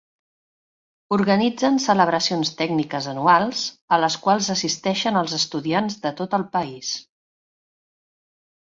Organitzen celebracions tècniques anuals a les quals assisteixen els estudiants de tot el país.